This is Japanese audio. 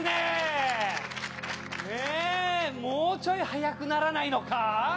もうちょい早くならないのか？